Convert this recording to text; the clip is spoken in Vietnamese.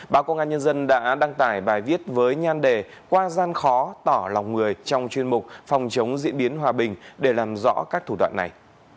báo công an nhân dân đã đăng tải bài viết với nhan đề qua gian khó tỏ lòng người trong chuyên mục phòng chống diễn biến hòa bình để làm rõ các thủ đoạn này